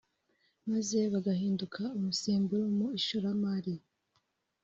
maze bagahinduka umusemburo mu ishoramari